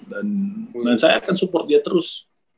dan saya akan support dia terus